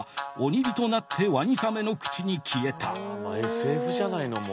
ＳＦじゃないのもう。